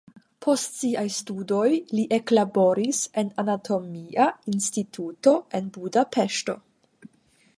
Post siaj studoj li eklaboris en anatomia instituto en Budapeŝto.